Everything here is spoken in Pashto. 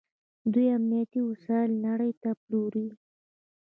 دوی امنیتي وسایل نړۍ ته پلوري.